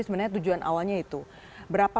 sebenarnya tujuan awalnya itu berapa